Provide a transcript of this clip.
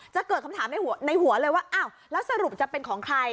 จะเกิดคำถามในหัวเลยว่าอ้าวแล้วสรุปจะเป็นของใคร